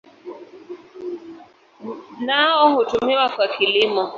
Nao hutumiwa kwa kilimo.